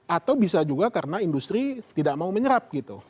atau bisa juga karena industri tidak mau menyerap gitu